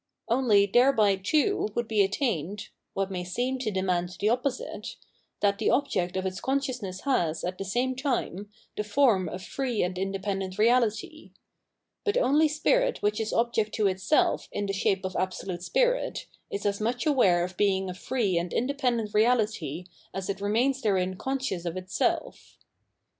Only thereby, too, would be attained — what may seem to demand the opposite — that the object of its consciousness has, at the same time, the form of free and independent reahty. But only spirit which is object to itself in the shape of Absolute Spirit, is as much aware of being a free and independent reahty as it remains therein conscious of itself.